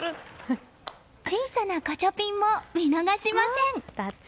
小さなガチャピンも見逃しません！